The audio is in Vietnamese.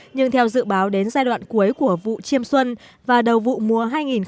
nhưng theo dự báo đến giai đoạn cuối của vụ chiêm xuân và đầu vụ mùa hai nghìn hai mươi